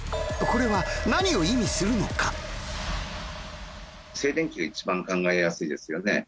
これは何を意味するのか？が一番考えやすいですよね。